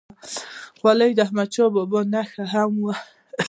خولۍ د احمدشاه بابا نښه هم وه.